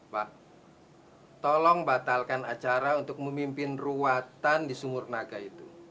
pak tolong batalkan acara untuk memimpin ruatan di sumur naga itu